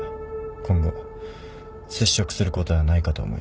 今後接触することはないかと思います。